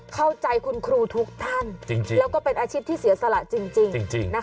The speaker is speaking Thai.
เข้าใจคุณครูทุกท่านแล้วก็เป็นอาชีพที่เสียสละจริง